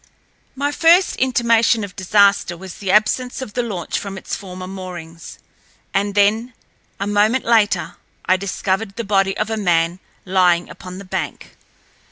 My first intimation of disaster was the absence of the launch from its former moorings. And then, a moment later—I discovered the body of a man lying upon the bank.